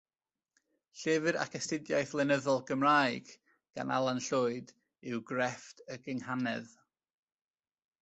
Llyfr ac astudiaeth lenyddol, Gymraeg gan Alan Llwyd yw Crefft y Gynghanedd.